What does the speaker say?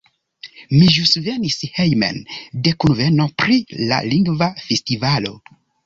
Mi ĵus venis hejmen, de kunveno pri la Lingva Festivalo.